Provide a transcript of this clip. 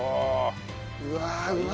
うわうま